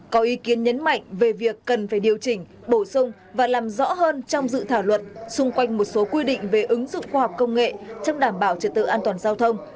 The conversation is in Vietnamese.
có ý kiến nhấn mạnh về việc cần phải điều chỉnh bổ sung và làm rõ hơn trong dự thảo luật xung quanh một số quy định về ứng dụng khoa học công nghệ trong đảm bảo trật tự an toàn giao thông